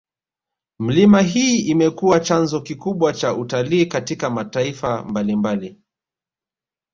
Milima hii imekuwa chanzo kikubwa cha utalii katika mataifa mabalimbali